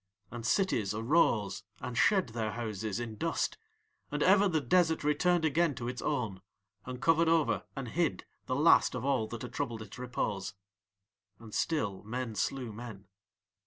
"And cities arose and shed their houses in dust, and ever the desert returned again to its own, and covered over and hid the last of all that had troubled its repose. "And still men slew men.